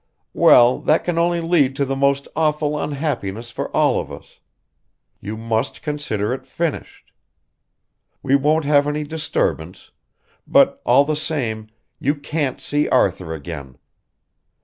Well, that can only lead to the most awful unhappiness for all of us. You must consider it finished. We won't have any disturbance; but, all the same, you can't see Arthur again.